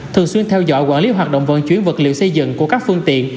thường xuyên theo dõi quản lý hoạt động vận chuyển vật liệu xây dựng của các phương tiện